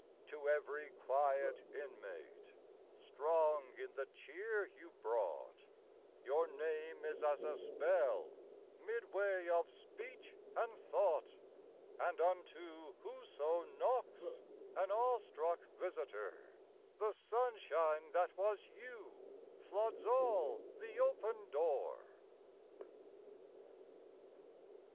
To every quiet inmate, strong in the cheer you brought, Your name is as a spell midway of speech and thought; And unto whoso knocks, an awe struck visitor, The sunshine that was you floods all the open door!